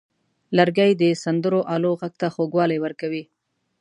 لرګی د سندرو آلو غږ ته خوږوالی ورکوي.